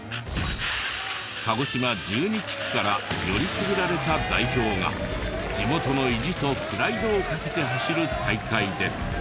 鹿児島１２地区からよりすぐられた代表が地元の意地とプライドをかけて走る大会で。